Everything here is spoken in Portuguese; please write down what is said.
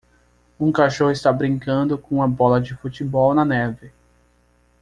Um cachorro está brincando com uma bola de futebol na neve.